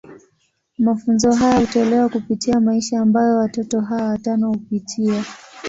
Mafunzo haya hutolewa kupitia maisha ambayo watoto hawa watano hupitia.